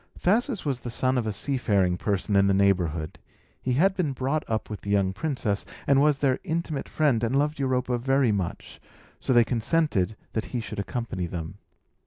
Thasus was the son of a seafaring person in the neighbourhood; he had been brought up with the young princess, and was their intimate friend, and loved Europa very much; so they consented that he should accompany them.